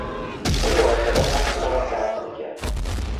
او مرتبا حرف مرا قطع میکرد.